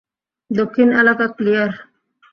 দক্ষিণ এলাকা ক্লিয়ার?